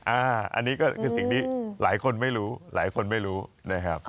อันนี้ก็คือสิ่งที่หลายคนไม่รู้หลายคนไม่รู้นะครับ